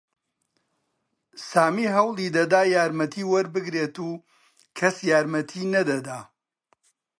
سامی هەوڵی دەدا یارمەتی وەربگرێت و کەس یارمەتیی نەدەدا.